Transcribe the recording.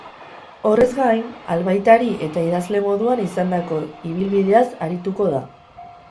Horrez gain, albaitari eta idazle moduan izandako ibilbideaz arituko da.